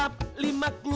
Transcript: mak mau liat dulu